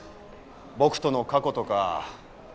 僕との過去とか。